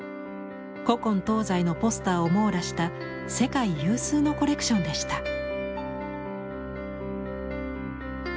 古今東西のポスターを網羅した世界有数のコレクションでした。